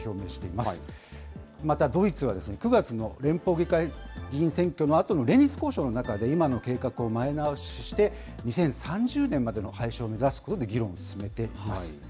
また、ドイツは９月の連邦議会議員選挙のあとの連立交渉の中で今の計画を前倒しして、２０３０年までの廃止を目指すと、議論を進めています。